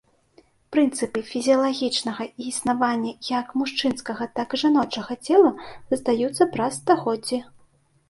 Прынцыпы фізіялагічнага існавання як мужчынскага, так і жаночага цела застаюцца праз стагоддзі.